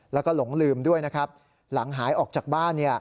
แล้วก็หลงลืมด้วยนะครับหลังหายออกจากบ้าน